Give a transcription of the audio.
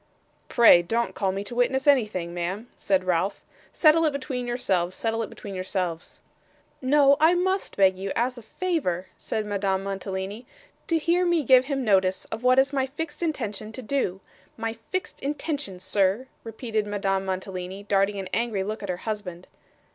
'Pray don't call me to witness anything, ma'am,' said Ralph. 'Settle it between yourselves, settle it between yourselves.' 'No, but I must beg you as a favour,' said Madame Mantalini, 'to hear me give him notice of what it is my fixed intention to do my fixed intention, sir,' repeated Madame Mantalini, darting an angry look at her husband.